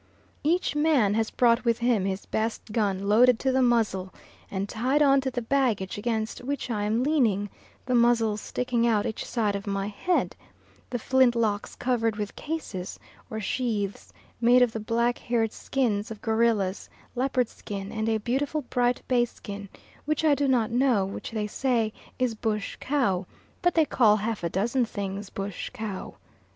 Each man has brought with him his best gun, loaded to the muzzle, and tied on to the baggage against which I am leaning the muzzles sticking out each side of my head: the flint locks covered with cases, or sheaths, made of the black haired skins of gorillas, leopard skin, and a beautiful bright bay skin, which I do not know, which they say is bush cow but they call half a dozen things bush cow.